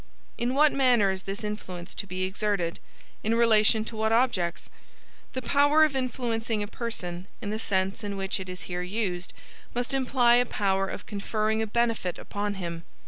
In what manner is this influence to be exerted? In relation to what objects? The power of influencing a person, in the sense in which it is here used, must imply a power of conferring a benefit upon him.